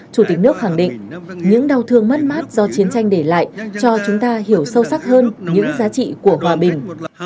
chủ tịch nước khẳng định những đau thương mất mát do chiến tranh để lại cho chúng ta hiểu sâu sắc hơn những giá trị của hòa bình